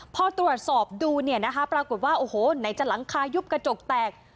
พอตรวจสอบดูเนี่ยนะคะปรากฏว่าโอ้โหไหนจะหลังคายุบกระจกแตก